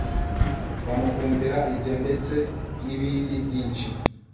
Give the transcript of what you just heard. bamukundira ibyo ndetse nibindi byinshi